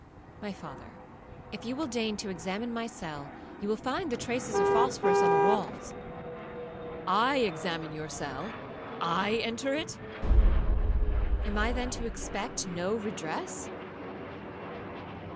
'—'My father, if you will deign to examine my cell, you will find the traces of phosphorous on the walls.'—'I examine your cell? I enter it?'—'Am I then to expect no redress?